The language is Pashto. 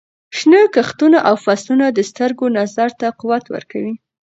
شنه کښتونه او فصلونه د سترګو نظر ته قوت ورکوي.